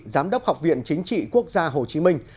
giám đốc học viện chính trị quốc gia hồ chí minh